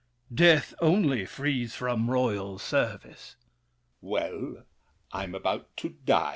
Death, only, frees from royal service. L'ANGELY. Well, I am about to die!